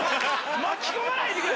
巻き込まないでくれ！